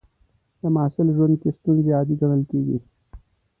د محصل ژوند کې ستونزې عادي ګڼل کېږي.